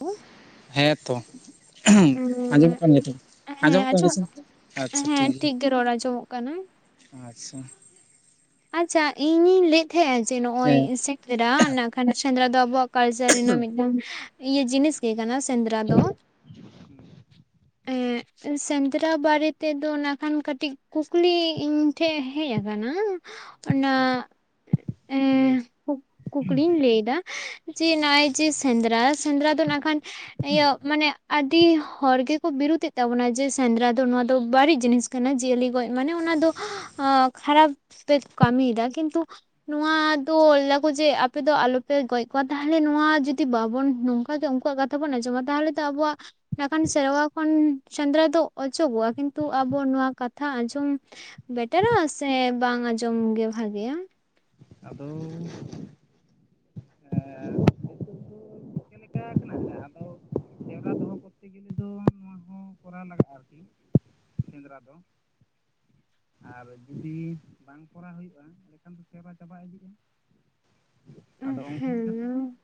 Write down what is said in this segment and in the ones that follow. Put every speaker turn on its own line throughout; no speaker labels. ᱦᱮᱸ
ᱦᱮᱸ ᱛᱚ ᱟᱸᱡᱚᱢᱚᱜ ᱠᱟᱱ ᱜᱮᱭᱟ ᱛᱚ
ᱦᱮᱸ
ᱟᱸᱡᱚᱢᱚᱜ ᱠᱟᱱ
ᱟᱸᱡᱚᱢ
ᱜᱮᱭᱟ ᱥᱮ ᱟᱪᱪᱷᱟ ᱴᱷᱤᱠ
ᱦᱮᱸ
ᱜᱮᱭᱟ
ᱜᱮ ᱨᱚᱲ ᱟᱸᱡᱚᱢᱚᱜ ᱠᱟᱱᱟ
ᱟᱪᱪᱷᱟ
ᱟᱪᱪᱷᱟ ᱤᱧᱤᱧ ᱞᱟᱹᱭᱮᱫ ᱛᱟᱦᱮᱸᱜ ᱡᱮ ᱱᱚᱜᱼᱚᱭ
ᱦᱮᱸ
ᱥᱮᱸᱫᱽᱨᱟ ᱱᱟᱠᱷᱟᱱ ᱥᱮᱸᱫᱽᱨᱟ ᱫᱚ ᱟᱵᱚᱣᱟᱜ ᱠᱟᱞᱪᱟᱨ ᱨᱮᱱᱟᱜ ᱢᱤᱫᱴᱟᱝ ᱤᱭᱟᱹ ᱡᱤᱱᱤᱥ ᱜᱮ ᱠᱟᱱᱟ ᱥᱮᱸᱫᱽᱨᱟ ᱫᱚ ᱮᱸᱜ ᱥᱮᱸᱫᱽᱨᱟ ᱵᱟᱨᱮ ᱛᱮᱫᱚ ᱱᱟᱠᱷᱟᱱ ᱠᱟᱹᱴᱤᱡ ᱠᱩᱠᱞᱤ ᱤᱧ ᱴᱷᱮᱡ ᱦᱮᱡ ᱟᱠᱟᱱᱟ ᱚᱱᱟ
ᱞᱟᱹᱭ
ᱮᱸ ᱠᱩ ᱠᱩᱠᱞᱤᱧ ᱞᱟᱹᱭ ᱫᱟ ᱡᱮ ᱱᱚᱜᱼᱚᱭ ᱡᱮ ᱥᱮᱸᱫᱽᱨᱟ ᱥᱮᱸᱫᱽᱨᱟ ᱫᱚ ᱱᱟᱜ ᱠᱷᱟᱱ ᱤᱭᱟᱹ ᱢᱟᱱᱮ ᱟᱹᱰᱤ ᱦᱚᱲ ᱜᱮᱠᱚ ᱵᱤᱨᱩᱫᱮᱫ ᱛᱟᱵᱚᱱᱟ ᱡᱮ ᱥᱮᱸᱫᱽᱨᱟ ᱫᱚ ᱱᱚᱣᱟ ᱫᱚ ᱵᱟᱹᱲᱤᱡ ᱡᱤᱱᱤᱥ ᱠᱟᱱᱟ ᱡᱤᱭᱟᱹᱞᱤ ᱜᱚᱡ ᱢᱟᱱᱮ ᱚᱱᱟ ᱫᱚ ᱠᱷᱟᱨᱟᱯ ᱯᱮ ᱠᱟᱹᱢᱤᱭ ᱫᱟ ᱠᱤᱱᱛᱩ ᱱᱚᱣᱟ ᱫᱚ ᱞᱟᱹᱭᱟᱠᱚ ᱡᱮ ᱟᱯᱮ ᱫᱚ ᱟᱞᱚᱯᱮ ᱜᱚᱡ ᱠᱚᱣᱟ ᱛᱟᱦᱚᱞᱮ ᱱᱚᱣᱟ ᱡᱩᱫᱤ ᱵᱟᱵᱚᱱ ᱱᱚᱝ ᱚᱱᱠᱟ ᱜᱮ ᱩᱱᱠᱩᱣᱟᱜ ᱠᱟᱛᱷᱟ ᱵᱚᱱ ᱟᱸᱡᱚᱢᱟ ᱛᱟᱦᱚᱞᱮ ᱛᱚ ᱟᱵᱚᱣᱟᱜ ᱤᱱᱟᱹ ᱠᱷᱟᱱ ᱥᱮᱨᱣᱟ ᱠᱷᱚᱱ ᱥᱮᱸᱫᱽᱨᱟ ᱫᱚ ᱚᱪᱚᱜᱚᱜᱼᱟ ᱠᱤᱱᱛᱩ ᱟᱵᱚ ᱱᱚᱣᱟ ᱠᱟᱛᱷᱟ ᱟᱸᱡᱚᱢ ᱵᱮᱴᱟᱨᱟ ᱥᱮ ᱵᱟᱝ ᱟᱸᱡᱚᱢ ᱜᱮ ᱵᱷᱟᱹᱜᱤᱭᱟ
ᱟᱫᱚᱻ [unintelligible] ᱟᱨᱠᱤ ᱥᱮᱸᱫᱽᱨᱟ ᱫᱚ ᱟᱨ ᱡᱩᱫᱤ ᱵᱟᱝ ᱠᱚᱨᱟᱣ ᱦᱩᱭᱩᱜᱼᱟ ᱛᱚᱠᱷᱟᱱ ᱫᱚ ᱥᱮᱨᱣᱟ ᱪᱟᱵᱟ ᱤᱫᱤᱜ-ᱟ ᱟᱫᱚ ᱚᱱᱠᱟ ᱞᱮᱠᱟᱛᱮ
ᱦᱩᱸ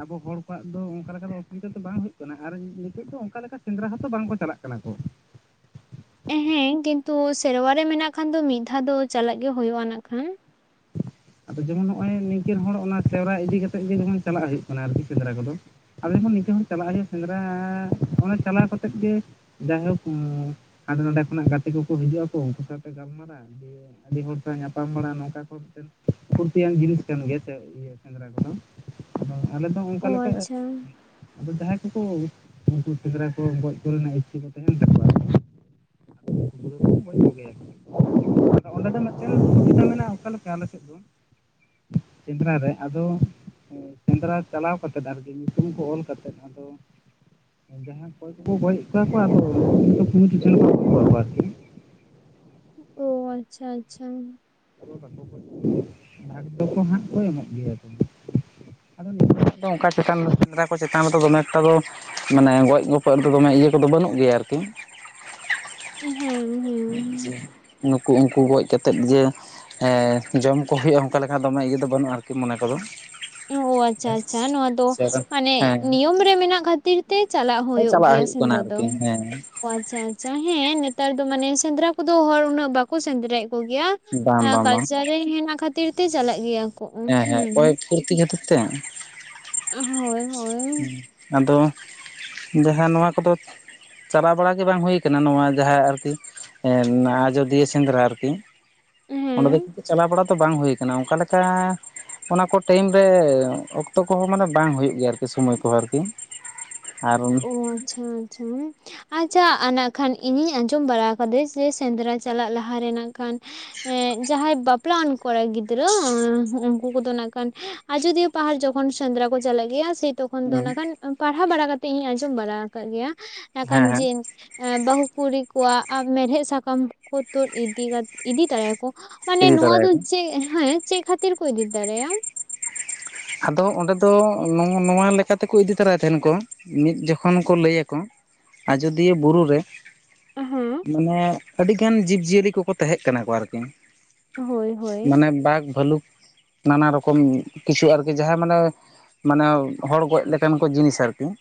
ᱟᱵᱚ ᱦᱚᱲ ᱠᱚᱣᱟᱜ ᱫᱚ ᱚᱱᱠᱟ ᱞᱮᱠᱟ ᱫᱚ ᱚᱥᱩᱵᱤᱫᱷᱟ ᱫᱚ ᱵᱟᱝ ᱦᱩᱭᱩᱜ ᱠᱟᱱᱟ ᱟᱨ ᱱᱤᱛᱚᱜ ᱫᱚ ᱚᱱᱠᱟ ᱞᱮᱠᱟ ᱥᱮᱸᱫᱽᱨᱟ ᱦᱚᱸᱛᱚ ᱵᱟᱝ ᱠᱚ ᱪᱟᱞᱟᱜ ᱠᱟᱱᱟ ᱠᱚ
ᱦᱮᱸ ᱠᱤᱱᱛᱩ ᱥᱮᱨᱣᱟ ᱨᱮ ᱢᱮᱱᱟᱜ ᱠᱷᱟᱱ ᱫᱚ ᱢᱤᱫ ᱫᱷᱟᱣ ᱫᱚ ᱪᱟᱞᱟᱜ ᱜᱮ ᱦᱩᱭᱩᱜᱼᱟ ᱤᱱᱟ. ᱠᱷᱟᱱ
ᱟᱫᱚ ᱡᱮᱢᱚᱱ ᱱᱚᱜᱼᱚᱭ ᱱᱤᱝᱠᱟᱹᱱ ᱦᱚᱲ ᱚᱱᱟ ᱥᱮᱨᱣᱟ ᱤᱫᱤ ᱠᱟᱛᱮᱜ ᱜᱮ ᱡᱮᱢᱚᱱ ᱪᱟᱞᱟᱜ ᱦᱩᱭᱩᱜ ᱠᱟᱱᱟ ᱟᱨᱠᱤ ᱥᱮᱸᱫᱽᱨᱟ ᱠᱚᱫᱚ ᱟᱞᱮ ᱦᱚᱸ ᱱᱤᱝᱠᱟᱹ ᱦᱚᱸ ᱪᱟᱞᱟᱜ ᱦᱩᱭᱩᱜ ᱥᱮᱸᱫᱽᱨᱟᱻ ᱚᱱᱟ ᱪᱟᱞᱟᱣ ᱠᱟᱛᱮᱫ ᱜᱮ ᱡᱟᱭᱦᱳᱠ ᱦᱟᱸᱰᱮ ᱱᱟᱦᱰᱮ ᱠᱷᱚᱱᱟᱜ ᱜᱟᱛᱮ ᱠᱚᱠᱚ ᱦᱤᱡᱩᱜ ᱟᱠᱚ ᱩᱱᱠᱩ ᱥᱟᱶᱛᱮ ᱜᱟᱞᱢᱟᱨᱟ ᱫᱮ ᱟᱹᱰᱤ ᱦᱚᱲ ᱥᱟᱶ ᱧᱟᱯᱟᱢ ᱵᱟᱲᱟ ᱱᱚᱝᱠᱟ ᱦᱚᱲ ᱴᱷᱮᱱ ᱯᱷᱩᱨᱛᱤᱭᱟᱱ ᱡᱤᱱᱤᱥ ᱠᱟᱱ ᱜᱮᱭᱟ ᱥᱮ ᱤᱭᱟᱹ ᱥᱮᱸᱫᱽᱨᱟ ᱠᱚᱫᱚ ᱟᱫᱚ ᱟᱞᱮ ᱫᱚ
ᱚ
ᱚᱱᱠᱟ ᱞᱮᱠᱟ
ᱟᱪᱪᱷᱟ
ᱟᱫᱚ ᱡᱟᱦᱟᱸᱭ ᱠᱚᱠᱚ ᱩᱱᱠᱩ ᱥᱮᱸᱫᱽᱨᱟ ᱠᱚ ᱜᱚᱡ ᱠᱚᱨᱮᱱᱟᱜ ᱤᱪᱪᱷᱟᱹ ᱠᱚ ᱛᱟᱦᱮᱱ ᱛᱟᱠᱚᱣᱟ [unintelligible] ᱠᱤ ᱚᱸᱰᱮ ᱫᱚ ᱢᱤᱫᱴᱮᱱ ᱥᱩᱵᱤᱫᱟ ᱢᱮᱱᱟᱜᱼᱟ ᱚᱠᱟ ᱞᱮᱠᱟ ᱟᱞᱮ [unintelligible] ᱥᱮᱸᱫᱽᱨᱟ ᱨᱮ ᱟᱫᱚ ᱥᱮᱸᱫᱽᱨᱟ ᱪᱟᱞᱟᱣ ᱠᱟᱛᱮᱫ ᱟᱨᱠᱤ ᱧᱩᱛᱩᱢ ᱠᱚ ᱚᱞ ᱠᱟᱛᱮᱫ ᱟᱫᱚ ᱡᱟᱦᱟᱱ ᱠᱚᱭ ᱠᱚᱠᱚ ᱜᱚᱡ ᱮᱫ ᱠᱚᱣᱟ [unintelligible] ᱜᱚᱡ ᱠᱚᱣᱟ ᱟᱨᱠᱤ
ᱚ ᱟᱪᱪᱷᱟ ᱟᱪᱪᱷᱟ
[unintelligible] ᱵᱷᱟᱜ ᱫᱚᱠᱚ ᱱᱟᱦᱟᱜ ᱠᱚ ᱮᱢᱚᱜ ᱜᱮᱭᱟ ᱠᱚ ᱟᱫᱚ ᱱᱤᱛᱚᱜ ᱫᱚ ᱚᱱᱠᱟ ᱪᱮᱛᱟᱱ ᱥᱮᱸᱫᱽᱨᱟ ᱠᱚ ᱪᱮᱛᱟᱱ ᱨᱮᱫᱚ ᱫᱚᱢᱮ ᱮᱠᱴᱟ ᱫᱚ ᱢᱟᱱᱮ ᱜᱚᱡ ᱜᱚᱯᱚᱡ ᱨᱮᱫᱚ ᱫᱚᱢᱮ ᱤᱭᱟᱹ ᱠᱚᱫᱚ ᱵᱟᱹᱱᱩᱜ ᱜᱮᱭᱟ ᱟᱨᱠᱤ
ᱦᱮᱸ ᱦᱮᱸ
ᱱᱩᱠᱩ ᱩᱱᱠᱩ ᱜᱚᱡ ᱠᱟᱛᱮᱫ ᱡᱮ ᱦᱮᱸ ᱡᱚᱢ ᱠᱚ ᱦᱩᱭᱩᱜᱼᱟ ᱚᱱᱠᱟ ᱞᱮᱠᱟ ᱫᱚᱢᱮ ᱤᱭᱟᱹ ᱫᱚ ᱵᱟᱹᱱᱩᱜᱼᱟ ᱟᱨᱠᱤ ᱢᱚᱱᱮ ᱠᱚᱫᱚ
ᱚ ᱟᱪᱪᱷᱟ ᱟᱪᱪᱷᱟ ᱱᱚᱣᱟ ᱫᱚ ᱢᱟᱱᱮ
ᱦᱮᱸ
ᱱᱤᱭᱚᱢ ᱨᱮ ᱢᱮᱱᱟᱜ ᱠᱷᱟᱹᱛᱤᱨ ᱛᱮ ᱪᱟᱞᱟᱜ ᱦᱩᱭᱩᱜ
ᱪᱟᱞᱟᱜ
ᱜᱮᱭᱟ
ᱠᱟᱱᱟ
ᱥᱮᱸᱫᱽᱨᱟ ᱫᱚ
ᱟᱨᱠᱤ ᱦᱮᱸ
ᱚ ᱟᱪᱪᱷᱟ ᱟᱪᱪᱷᱟ ᱦᱮᱸᱻ ᱱᱮᱛᱟᱨ ᱫᱚ ᱢᱟᱱᱮ ᱥᱮᱸᱫᱽᱨᱟ ᱠᱚᱫᱚ ᱦᱚᱲ ᱩᱱᱟᱹᱜ ᱵᱟᱠᱚ ᱥᱮᱸᱫᱽᱨᱟᱭᱮᱫ ᱠᱚᱜᱮᱭᱟ
ᱵᱟᱝ ᱵᱟᱝ ᱵᱟᱝ
ᱠᱟᱞᱪᱟᱨ ᱨᱮ ᱦᱮᱱᱟᱜ ᱠᱷᱟᱹᱛᱤᱨ ᱛᱮ ᱪᱟᱞᱟᱜ ᱜᱮᱭᱟ ᱠᱚ ᱦᱩᱸ
ᱦᱮᱸ ᱦᱮᱸ ᱚᱠᱚᱭ ᱯᱷᱩᱨᱛᱤ ᱠᱷᱟᱹᱛᱤᱨ ᱛᱮ
ᱦᱳᱭ ᱦᱳᱭ
ᱟᱫᱚ ᱡᱟᱦᱟ ᱱᱚᱣᱟ ᱠᱚᱫᱚ ᱪᱟᱞᱟᱣ ᱵᱟᱲᱟ ᱜᱮ ᱵᱟᱝ ᱦᱩᱭ ᱠᱟᱱᱟ ᱱᱚᱣᱟ ᱡᱟᱦᱟᱸ ᱟᱨᱠᱤ ᱦᱮᱸ ᱚᱱᱟ ᱟᱡᱚᱫᱤᱭᱟᱹ ᱥᱮᱸᱫᱽᱨᱟ ᱟᱨᱠᱤ, ᱚᱸᱰᱮ
ᱦᱮᱸ
ᱫᱚ ᱪᱟᱞᱟᱣ ᱵᱟᱲᱟ ᱛᱚ ᱵᱟᱝ ᱦᱩᱭ ᱟᱠᱟᱱᱟ ᱚᱱᱠᱟ ᱞᱮᱠᱟ ᱚᱱᱟ ᱠᱚ ᱴᱟᱭᱤᱢ ᱨᱮ ᱚᱠᱛᱚ ᱠᱚᱦᱚᱸ ᱢᱟᱱᱮ ᱵᱟᱝ ᱦᱩᱭᱩᱜ ᱜᱮᱭᱟ ᱟᱨᱠᱤ ᱥᱚᱢᱚᱭ ᱠᱚ ᱟᱨᱠᱤ ᱟᱨ
ᱚ ᱟᱪᱪᱷᱟ ᱟᱪᱪᱷᱟ ᱦᱮᱸ ᱟᱪᱪᱷᱟ ᱤᱱᱟᱹ ᱠᱷᱟᱱ ᱤᱧᱤᱧ ᱟᱸᱡᱚᱢ ᱵᱟᱲᱟ ᱠᱟᱫᱟ ᱡᱮ ᱥᱮᱸᱫᱽᱨᱟ ᱪᱟᱞᱟᱜ ᱞᱟᱦᱟ ᱨᱮ ᱱᱟᱜ ᱠᱷᱟᱱ ᱮᱸ ᱡᱟᱦᱟᱸᱭ ᱵᱟᱯᱞᱟᱣᱟᱱ ᱠᱚᱲᱟ ᱜᱤᱫᱽᱨᱟᱹ ᱩᱱᱠᱩ ᱠᱚᱫᱚ ᱱᱟᱜ ᱠᱷᱟᱱ ᱟᱡᱚᱫᱤᱭᱟᱹ ᱯᱟᱦᱟᱲ ᱡᱚᱠᱷᱚᱱ ᱥᱮᱸᱫᱽᱨᱟ ᱠᱚ ᱪᱟᱞᱟᱜ ᱜᱮᱭᱟ ᱥᱮ ᱛᱚᱠᱷᱚᱱ ᱫᱚ ᱠᱷᱟᱱ ᱯᱟᱲᱦᱟᱣ ᱵᱟᱲᱟ ᱠᱟᱛᱮᱫ ᱤᱧ ᱟᱸᱡᱚᱢ ᱵᱟᱲᱟ ᱟᱠᱟᱫ ᱜᱮᱭᱟ ᱮᱠᱷᱟᱱ
ᱦᱮᱸ ᱦᱮᱸ
ᱡᱮ ᱵᱟᱹᱦᱩ ᱠᱩᱲᱤ ᱠᱚᱣᱟᱜ ᱢᱮᱲᱦᱮᱫ ᱥᱟᱠᱚᱢ ᱠᱚ ᱛᱩᱫ ᱤᱫᱤ ᱤᱫᱤ ᱛᱟᱨᱟᱭᱟᱠᱚ ᱢᱟᱱᱮ
ᱤᱫᱤ
ᱱᱚᱣᱟ ᱫᱚ
ᱛᱚᱨᱟᱭᱟᱠᱚ
ᱪᱮᱫ ᱦᱮᱸ ᱪᱮᱫ ᱠᱷᱟᱹᱛᱤᱨ ᱠᱚ ᱤᱫᱤ ᱛᱟᱨᱟᱭᱟ?
ᱟᱫᱚ ᱚᱸᱰᱮ ᱫᱚ ᱱᱚᱣᱟ ᱞᱮᱠᱟ ᱛᱮᱠᱚ ᱤᱫᱤ ᱛᱚᱨᱟᱭ ᱛᱟᱦᱮᱱ ᱠᱚ ᱢᱤᱫ ᱡᱚᱠᱷᱚᱱ ᱠᱚ ᱞᱟᱹᱭ ᱟᱠᱚ ᱟᱡᱚᱫᱤᱭᱟᱹ ᱵᱩᱨᱩ ᱨᱮ
ᱦᱮᱸ
ᱢᱟᱱᱮ ᱟᱹᱰᱤᱜᱟᱱ ᱡᱤᱵᱽ ᱡᱤᱭᱟᱹᱞᱤ ᱠᱚᱠᱚ ᱛᱟᱦᱮᱸᱜ ᱠᱟᱱᱟ ᱠᱚ ᱟᱨᱠᱤ
ᱦᱳᱭ ᱦᱳᱭ
ᱢᱟᱱᱮ ᱵᱟᱜᱽ ᱵᱷᱟᱹᱞᱩᱠ ᱱᱟᱱᱟ ᱨᱚᱠᱚᱢ ᱠᱤᱪᱷᱩ ᱟᱨ ᱼᱼ ᱡᱟᱦᱟᱸᱭ ᱢᱟᱱᱮ ᱢᱟᱱᱮ ᱦᱚᱲ ᱜᱚᱡ ᱞᱮᱠᱟᱱ ᱠᱚ ᱡᱤᱱᱤᱥ ᱟᱨᱠᱤ ᱾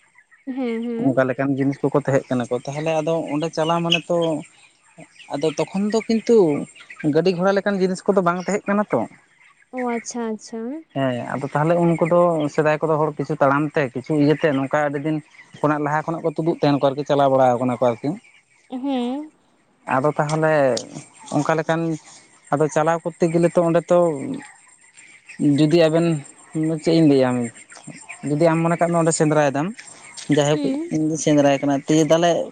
ᱦᱮᱸ ᱦᱮᱸ ᱾
ᱠᱟᱱ ᱡᱤᱱᱤᱥ ᱠᱚᱠᱚ ᱛᱟᱦᱮᱸ ᱠᱟᱱᱟ ᱠᱚ ᱛᱟᱦᱞᱮ ᱟᱫᱚ ᱚᱸᱰᱮ ᱪᱟᱞᱟᱣ ᱢᱟᱱᱮ ᱛᱚ ᱼᱼ ᱟᱫᱚ ᱛᱚᱠᱷᱚᱱ ᱫᱚ ᱠᱤᱱᱛᱩ ᱜᱟᱹᱰᱤ ᱜᱷᱚᱲᱟ ᱞᱮᱠᱟᱱ ᱡᱤᱱᱤᱥ ᱠᱚᱫᱚ ᱵᱟᱝ ᱛᱟᱦᱮᱸ ᱠᱟᱱᱟ ᱛᱚ ᱾
ᱚ ᱟᱪᱪᱷᱟ ᱟᱪᱪᱷᱟ ᱦᱮᱸ
ᱦᱮᱸ ᱟᱫᱚ ᱛᱟᱞᱦᱮ ᱩᱱᱠᱩ ᱫᱚ ᱥᱮᱫᱟᱭ ᱠᱚᱫᱚ ᱦᱚᱲ ᱠᱤᱪᱷᱩ ᱛᱟᱲᱟᱢ ᱛᱮ ᱠᱤᱪᱷᱩ ᱤᱭᱟᱹᱛᱮ ᱱᱚᱝᱠᱟ ᱟᱹᱰᱤ ᱫᱤᱱ ᱼᱼ ᱠᱷᱚᱱᱟᱜ ᱞᱟᱦᱟ ᱠᱷᱚᱱᱟᱜ ᱠᱚ ᱛᱩᱫᱩᱜ ᱛᱟᱦᱮᱱ ᱠᱚ ᱟᱨᱠᱤ ᱪᱟᱞᱟᱣ ᱵᱟᱲᱟ ᱠᱟᱱᱟ ᱠᱚ ᱟᱨᱠᱤ ᱾
ᱦᱮᱸ ᱾
ᱟᱫᱚ ᱛᱟᱦᱚᱞᱮ ᱚᱱᱠᱟ ᱞᱮᱠᱟᱱ ᱼᱼ ᱟᱫᱚ ᱪᱟᱞᱟᱣ ᱠᱚᱨᱛᱮ ᱜᱮᱞᱮ ᱛᱚ ᱚᱸᱰᱮ ᱛᱚ ᱡᱩᱫᱤ ᱟᱵᱮᱱ ᱼᱼ ᱤᱧ ᱢᱟ ᱪᱤᱜ ᱤᱧ ᱞᱟᱹᱭᱟᱢ ᱡᱩᱫᱤ ᱟᱢ ᱢᱚᱱᱮ ᱠᱟᱜ ᱢᱮ ᱚᱸᱰᱮ ᱥᱮᱸᱫᱽᱨᱟᱭᱮᱫᱟᱢ ᱡᱟᱭᱦᱳᱠ
ᱦᱩᱸ
ᱼᱼ ᱥᱮᱸᱫᱽᱨᱟᱭ ᱠᱟᱱᱟ ᱫᱤᱭᱮ ᱛᱟᱦᱞᱮ ᱼᱼ